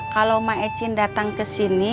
kalau mak ecin datang kesini